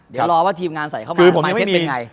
เดี๋ยวรอว่าทีมงานใส่เข้ามาโปรไลเซ็นต์เป็นไง